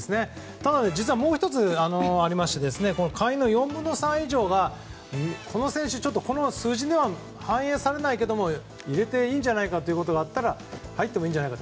ただ実はもう１つありまして会員の４分の３以上がこの選手、ちょっとこの数字には反映されないけども入れていいんじゃないかということがあったら入ってもいいんじゃないかと。